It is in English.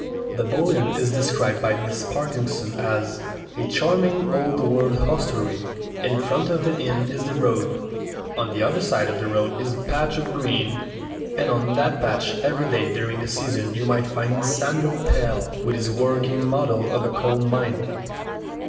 The Bull Inn is described by Miss Parkinson as "a charming old world hostelry." In front of the inn is the road; on the other side of the road is a patch of green, and on that patch every day during the season you might find A MODEL MAN 25 Samuel Pell with his working model of a coal mine.